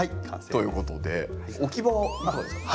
ということで置き場は中ですか？